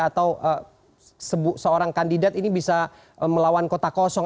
atau seorang kandidat ini bisa melawan kota kosong